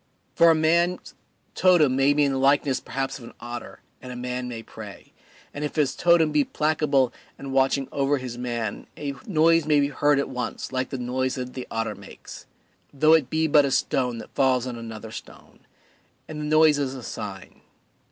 For a man's totem may be in the likeness perhaps of an otter, and a man may pray, and if his totem be placable and watching over his man a noise may be heard at once like the noise that the otter makes, though it be but a stone that falls on another stone; and the noise is a sign.